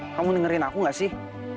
kamu dengerin aku gak sih